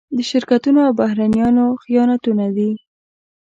د شرکتونو او بهرنيانو خیانتونه دي.